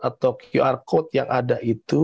atau qr code yang ada itu